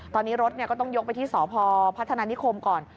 ตอนนี้รถก็ต้องยกไปที่สพพัฒนานิคมก่อน